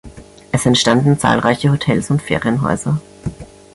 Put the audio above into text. Es entstanden zahlreiche Hotels und Ferienhäuser.